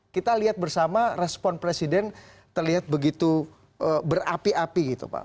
kita lihat bersama respon presiden terlihat begitu berapi api gitu pak